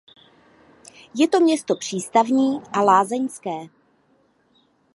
Je to město přístavní a lázeňské.